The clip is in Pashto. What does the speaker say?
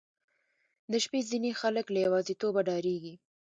• د شپې ځینې خلک له یوازیتوبه ډاریږي.